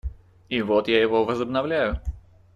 И вот я его возобновляю.